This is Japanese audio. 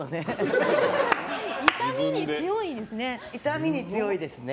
痛みに強いんですね。